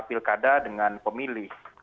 pilkada dengan pemilih